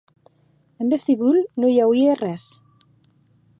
En vestibul non i auie arrés.